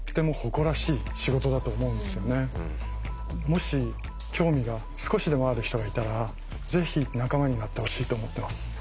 もし興味が少しでもある人がいたらぜひ仲間になってほしいと思ってます。